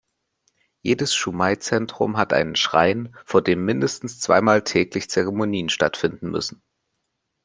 Jedes Shumei-Zentrum hat einen Schrein, vor dem mindestens zweimal täglich Zeremonien stattfinden müssen.